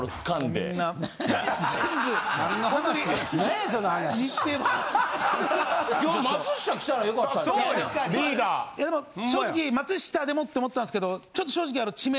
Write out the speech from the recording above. でも正直松下でもって思ったんですけどちょっと正直。